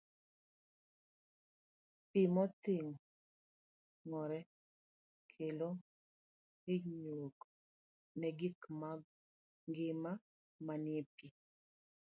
Pi modhing'ore kelo hinyruok ne gik mangima manie pi.